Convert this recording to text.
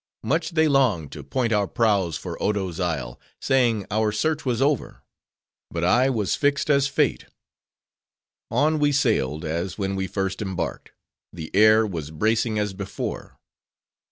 Much they longed, to point our prows for Odo's isle; saying our search was over. But I was fixed as fate. On we sailed, as when we first embarked; the air was bracing as before.